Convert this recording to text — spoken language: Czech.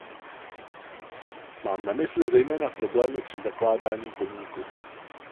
Mám na mysli zejména problémy při zakládání podniku.